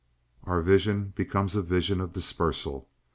Our vision becomes a vision of dispersal.